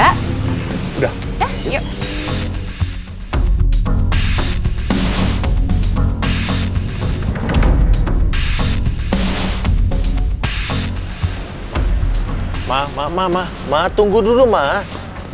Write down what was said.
aduh papa gak boleh masuk ke dalam